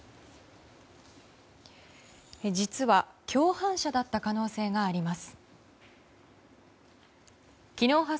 実は、共犯者だった可能性があります。